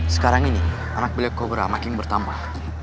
sekarang ini anak black cobra makin bertambah